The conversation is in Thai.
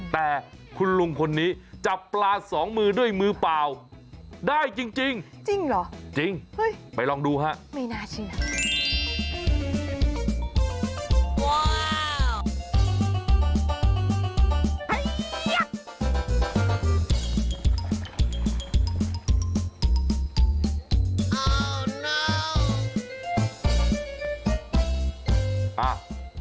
แต่คุณลุงคนนี้จับปลาสองมือด้วยมือเปล่าได้จริงจริงเหรอจริงไปลองดูฮะไม่น่าเชื่อ